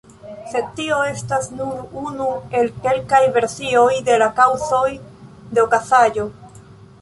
Sed tio estas nur unu el kelkaj versioj de la kaŭzoj de okazaĵo.